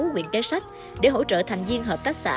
nguyện cái sách để hỗ trợ thành viên hợp tác xã